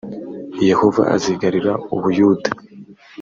yehova azigarurira u buyuda